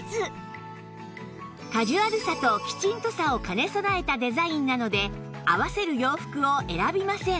カジュアルさとキチンとさを兼ね備えたデザインなので合わせる洋服を選びません